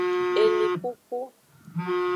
Elinkuku.